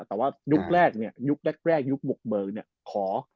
แต่ว่ายุคแรกยุคบกเบิร์นขอ